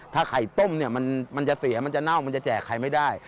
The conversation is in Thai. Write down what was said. ถ้าไข่ต้มเนี่ยมันจะเสียมันจะเน่ามันจะแจกใครไม่ได้